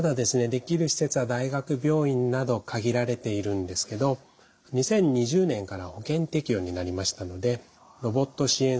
できる施設は大学病院など限られているんですけど２０２０年から保険適用になりましたのでロボット支援